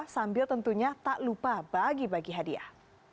sambil tentunya tak lupa bagi bagi hadiah